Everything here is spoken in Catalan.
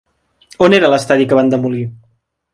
On era l'estadi que van demolir?